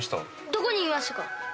どこにいましたか？